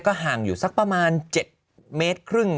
ห่างอยู่สักประมาณ๗เมตรครึ่ง